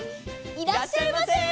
いらっしゃいませ。